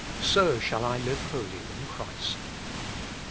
So shall I live holy in Christ.